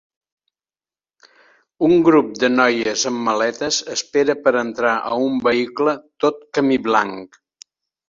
Un grup de noies amb maletes espera per entrar a un vehicle tot camí blanc.